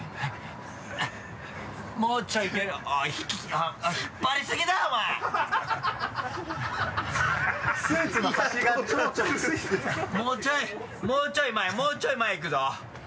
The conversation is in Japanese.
もうちょい前もうちょい前いくぞ。